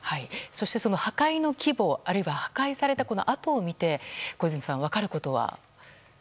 そして、破壊の規模あるいは破壊された跡を見て小泉さん、分かることは？